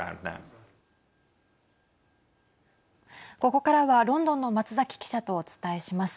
ここからはロンドンの松崎記者とお伝えします。